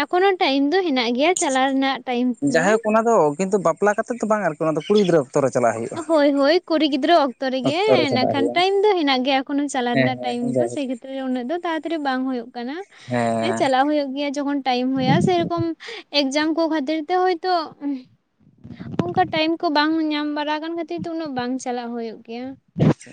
ᱮᱠᱷᱚᱱᱚ ᱴᱟᱭᱤᱢ ᱫᱚ ᱦᱮᱱᱟᱜ ᱜᱮᱭᱟ ᱜᱮᱭᱟ ᱪᱟᱞᱟᱣ ᱨᱮᱱᱟᱜ ᱴᱟᱭᱤᱢ
ᱦᱮᱸ
ᱫᱚ
ᱡᱟᱭᱦᱳᱠ ᱚᱱᱟ ᱫᱚ ᱠᱤᱱᱛᱩ ᱵᱟᱯᱞᱟ ᱠᱟᱛᱮᱜ ᱫᱚ ᱵᱟᱝ ᱟᱨᱠᱤ ᱚᱱᱟᱫᱚ ᱠᱩᱲᱤ ᱜᱤᱫᱽᱨᱟᱹ ᱚᱠᱛᱚ ᱨᱮ ᱪᱟᱞᱟᱜ ᱦᱩᱭᱩᱜᱼᱟ
ᱦᱳᱭ ᱦᱳᱭ ᱠᱩᱲᱤ ᱜᱤᱫᱽᱨᱟᱹ ᱚᱠᱛᱚ ᱨᱮᱜᱮ
ᱨᱮ
ᱤᱱᱟᱹ
ᱪᱟᱞᱟᱜ
ᱠᱷᱟᱱ
ᱦᱩᱭᱩᱜᱼᱟ
ᱴᱟᱭᱤᱢ ᱫᱚ ᱦᱮᱱᱟᱜ ᱜᱮᱭᱟ ᱮᱠᱷᱚᱱ ᱦᱚᱸ ᱪᱟᱞᱟᱣ
ᱦᱮᱸ
ᱨᱮᱱᱟᱜ ᱴᱟᱭᱤᱢ
ᱦᱮᱸ
ᱫᱚ ᱥᱮ
ᱡᱟᱭᱦᱳᱠ
ᱠᱷᱮᱛᱤᱨ ᱩᱱᱟᱹᱜ ᱫᱚ ᱛᱟᱲᱟᱛᱟᱲᱤ ᱵᱟᱝ ᱦᱩᱭᱩᱜ ᱠᱟᱱᱟ
ᱦᱮᱸ
ᱪᱟᱞᱟᱣ ᱦᱩᱭᱩᱜ ᱜᱮᱭᱟ ᱡᱚᱠᱷᱚᱱ ᱴᱟᱭᱤᱢ ᱦᱩᱭᱩᱜᱼᱟ ᱥᱮᱨᱚᱠᱚᱢ ᱮᱠᱡᱟᱢ ᱠᱚ ᱠᱷᱟᱹᱛᱤᱨ ᱛᱮ ᱦᱳᱭᱛᱳ ᱚᱱᱠᱟ ᱴᱟᱭᱤᱢ ᱠᱚ ᱵᱟᱝ ᱧᱟᱢ ᱵᱟᱲᱟ ᱠᱟᱱ ᱠᱷᱟᱹᱛᱤᱨ ᱫᱚ ᱩᱱᱟᱹᱜ ᱵᱟᱝ ᱪᱟᱞᱟᱜ ᱦᱩᱭᱩᱜ ᱜᱮᱭᱟ
ᱟᱪᱪᱷᱟ